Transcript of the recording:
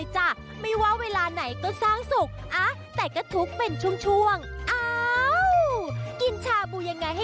ชะเกียบพื้นอ่อนใช่ป่ะ